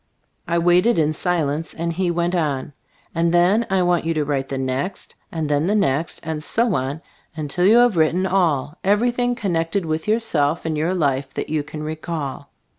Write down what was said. I waited in silence and he went on : "And then I want you to write the next, and then the next, and so on, until you have written all — everything connected with yourself and your life that you can recall.